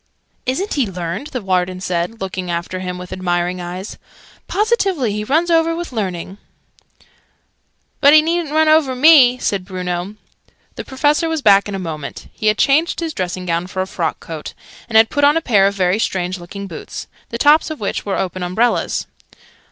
"Isn't he learned?" the Warden said, looking after him with admiring eyes. "Positively he runs over with learning!" "But he needn't run over me!" said Bruno. The Professor was back in a moment: he had changed his dressing gown for a frock coat, and had put on a pair of very strange looking boots, the tops of which were open umbrellas.